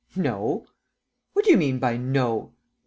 "No." "What do you mean by no?"